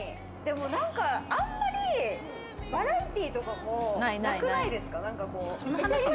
あんまりバラエティーとかもなくないですか？